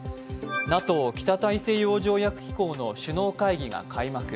ＮＡＴＯ＝北大西洋条約機構の首脳会議が開幕。